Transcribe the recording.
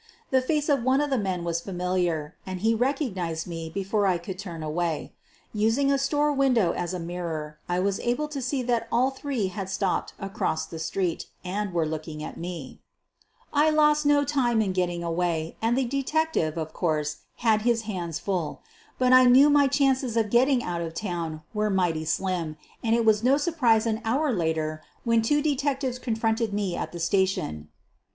The face of one of the men was familiar, and he recognized me before I could town away. Using a store window as a mirror I was able to see that all three had stopped across the street and were looking at me, I lost no time in getting away, and the detective, of course, had his hands fulL But I knew my chances of getting out of town were mighty slim, and it was no surprise an hour later 244 SOPHIE LYONS when two detectives confronted me at the station.